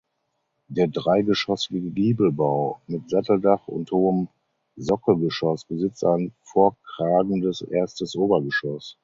Der dreigeschossige Giebelbau mit Satteldach und hohem Sockelgeschoss besitzt ein vorkragendes erstes Obergeschoss.